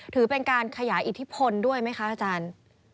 ถือเป็นการขยายอิทธิพลด้วยไหมคะอาจารย์